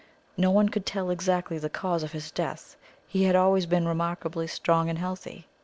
No one could tell exactly the cause of his death he had always been remarkably strong and healthy.